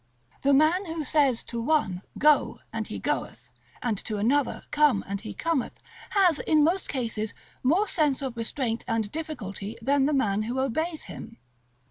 The man who says to one, Go, and he goeth, and to another, Come, and he cometh, has, in most cases, more sense of restraint and difficulty than the man who obeys him.